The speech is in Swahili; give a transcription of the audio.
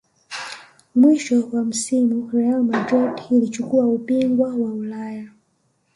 mwisho wa msimu real madrid ilichukua ubungwa wa ulaya